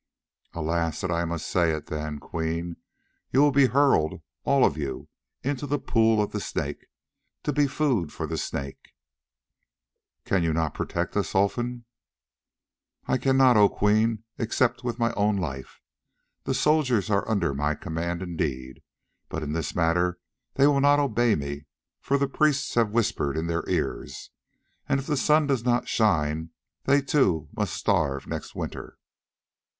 "Alas that I must say it! Then, Queen, you will be hurled, all of you, into the pool of the Snake, to be food for the Snake." "Cannot you protect us, Olfan?" "I cannot, O Queen, except with my own life. The soldiers are under my command indeed; but in this matter they will not obey me, for the priests have whispered in their ears, and if the sun does not shine they too must starve next winter.